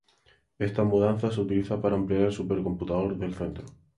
Esta mudanza se utiliza para ampliar el supercomputador del centro.